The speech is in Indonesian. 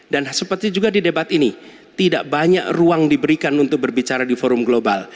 dan seperti juga di debat ini tidak banyak ruang diberikan untuk berbicara di forum global